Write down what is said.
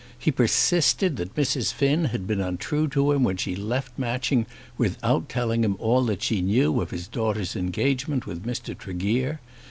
He persisted that Mrs. Finn had been untrue to him when she left Matching without telling him all that she knew of his daughter's engagement with Mr. Tregear.